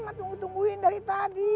sama tunggu tungguin dari tadi